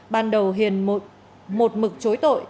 ban đầu hiền một mực chối tội